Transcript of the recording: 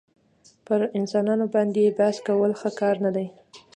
پر انسانانو باندي بحث کول ښه کار نه دئ.